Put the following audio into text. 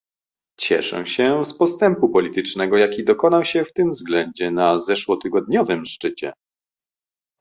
Cieszę się z postępu politycznego, jaki dokonał się w tym względzie na zeszłotygodniowym szczycie